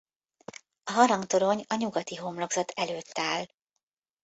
A harangtorony a nyugati homlokzat előtt áll.